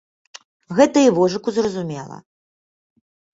Гэта і вожыку зразумела.